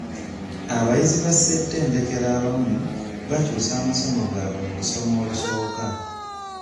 Abayizi ba ssettendekero abamu bakyusa amasomo gaabwe mu lusoma olusooka.